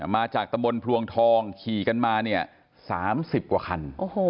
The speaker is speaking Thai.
มาจากตำบลพลวงทองขี่กันมาเนี่ย๓๐กว่าคัน